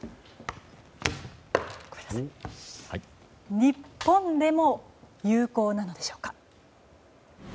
日本でも有効なのでしょうか。